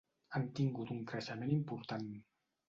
Han tingut un creixement important.